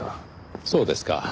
そうですか。